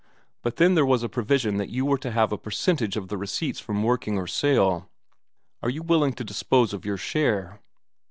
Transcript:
But then there was a provision that you were to have a percentage of receipts from working or sale; are you willing to dispose of your share?"